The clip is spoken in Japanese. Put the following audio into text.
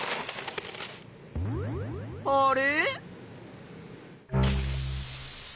あれ？